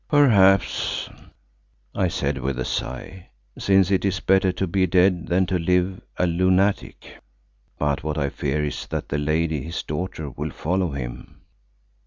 "Perhaps," I said with a sigh, "since it is better to be dead than to live a lunatic. But what I fear is that the lady his daughter will follow him."